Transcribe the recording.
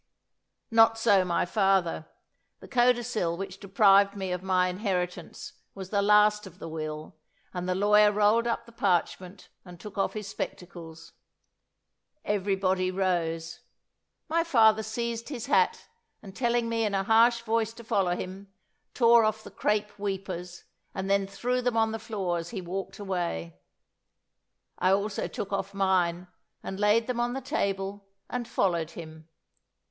Not so my father: the codicil which deprived me of my inheritance, was the last of the will, and the lawyer rolled up the parchment and took off his spectacles. Everybody rose; my father seized his hat, and telling me in a harsh voice to follow him, tore off the crape weepers, and then threw them on the floor as he walked away. I also took off mine, and laid them on the table, and followed him.